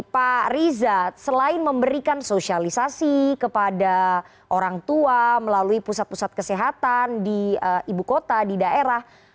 pak riza selain memberikan sosialisasi kepada orang tua melalui pusat pusat kesehatan di ibu kota di daerah